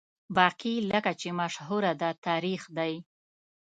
باقي لکه چې مشهوره ده، تاریخ دی.